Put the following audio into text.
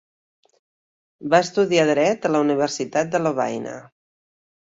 Va estudiar dret a la Universitat de Lovaina.